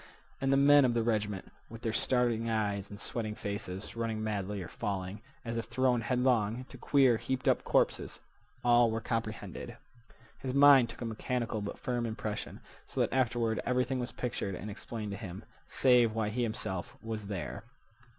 And the men of the regiment, with their starting eyes and sweating faces, running madly, or falling, as if thrown headlong, to queer, heaped up corpses—all were comprehended. His mind took a mechanical but firm impression, so that afterward everything was pictured and explained to him, save why he himself was there.